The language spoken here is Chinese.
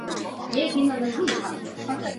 本届赛事于在马来西亚吉打亚罗士打举行。